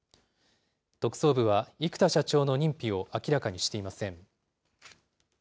特捜部は、生田社長の認否を明らかにしていません。